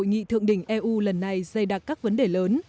hội nghị thượng đỉnh eu lần này dày đặc các vấn đề lớn